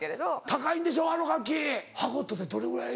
高いんでしょあの楽器ファゴットってどれぐらい。